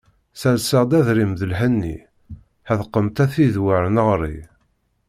Serseɣ-d adrim d lḥenni, ḥedqemt a tid wer neɣri.